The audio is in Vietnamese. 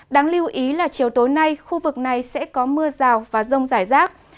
đáng lưu ý là chiều tối nay khu vực này sẽ có mưa rào và rông rải rác